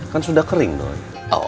kan sudah kering doi